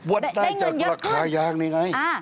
วัดได้จากราคายางนี่ไง